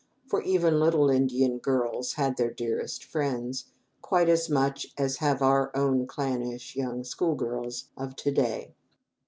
For even little Indian girls had their "dearest friends," quite as much as have our own clannish young school girls of to day.